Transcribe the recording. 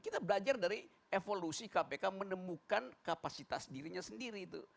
kita belajar dari evolusi kpk menemukan kapasitas dirinya sendiri itu